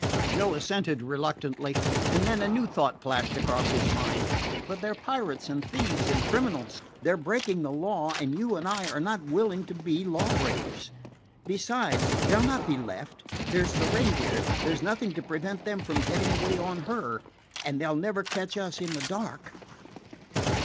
Joe assented reluctantly, and then a new thought flashed across his mind. "But they 're pirates and thieves and criminals. They 're breaking the law, and you and I are not willing to be lawbreakers. Besides, they 'll not be left. There 's the Reindeer. There 's nothing to prevent them from getting away on her, and they 'll never catch us in the dark."